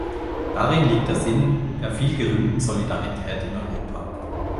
Darin liegt der Sinn der viel gerühmten Solidarität in Europa.